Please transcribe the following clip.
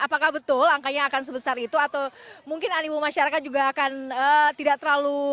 apakah betul angkanya akan sebesar itu atau mungkin animu masyarakat juga akan tidak terlalu